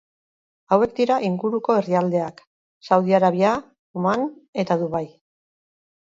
Hauek dira inguruko herrialdeak: Saudi Arabia, Oman eta Dubai.